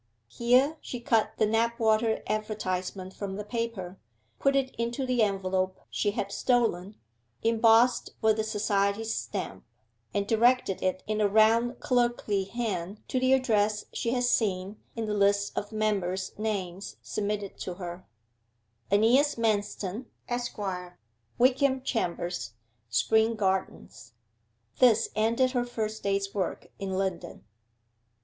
Here she cut the Knapwater advertisement from the paper, put it into the envelope she had stolen, embossed with the society's stamp, and directed it in a round clerkly hand to the address she had seen in the list of members' names submitted to her: AENEAS MANSTON, ESQ., WYKEHAM CHAMBERS, SPRING GARDENS. This ended her first day's work in London.